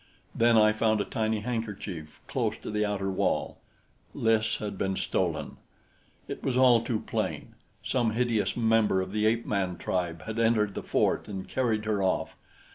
Then I found a tiny handkerchief close to the outer wall. Lys had been stolen! It was all too plain. Some hideous member of the ape man tribe had entered the fort and carried her off.